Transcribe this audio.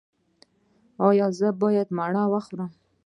ایا زه باید مڼه وخورم؟